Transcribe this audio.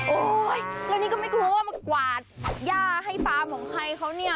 แล้วนี่ก็ไม่กลัวว่ามากวาดย่าให้ฟาร์มของใครเขาเนี่ย